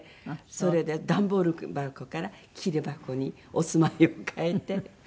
それで段ボール箱から桐箱にお住まいを変えて。